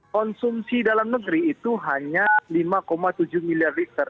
konsumsi dalam negeri itu hanya lima tujuh miliar liter